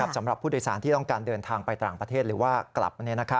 สำหรับผู้โดยสารที่ต้องการเดินทางไปต่างประเทศหรือว่ากลับ